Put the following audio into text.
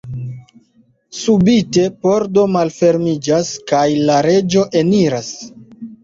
Subite pordo malfermiĝas, kaj la reĝo eniras.